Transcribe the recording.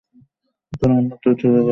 তারা অন্যত্র চলে গেছে।